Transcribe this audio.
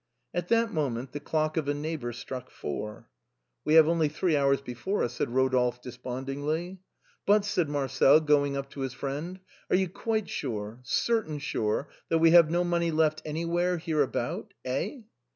At that moment the clock of a neighbor struck four. " We have only three hours before us," said Rodolphe despondingly. " But," said Marcel, going up to his friend, " are you quite sure, certain sure, that we have no money left any where hereabout ? Eh